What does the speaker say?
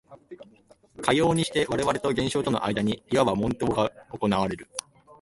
かようにして我々と現象との間にいわば問答が行われる。